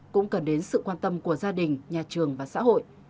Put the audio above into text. cũng cần đến sự quan tâm của gia đình nhà trường và xã hội